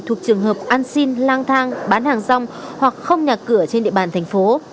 thuộc trường hợp an sinh lang thang bán hàng rong hoặc không nhà cửa trên địa bàn thành phố